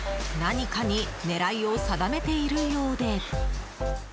何かに狙いを定めているようで。